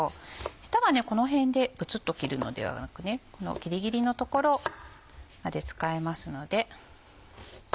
ヘタはこの辺でブツっと切るのではなくこのギリギリの所まで使えますので。